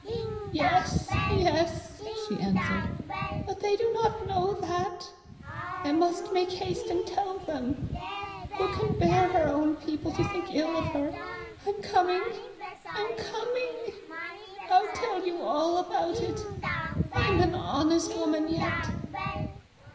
"Yes, yes," she answered; "but they do not know that! I must make haste and tell them! Who can bear her own people to think ill of her! I'm coming! I'm coming! I'll tell you all about it! I'm an honest woman yet!"